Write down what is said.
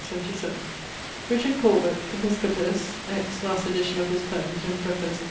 Richard Corbet, episcopus (ex last edition of his poemes, in preface sc.